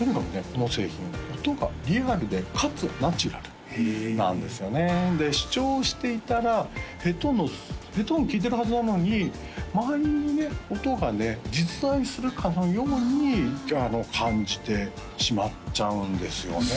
この製品音がリアルでかつナチュラルなんですよねで試聴していたらヘッドホンで聴いてるはずなのに周りにね音がね実在するかのように感じてしまっちゃうんですよね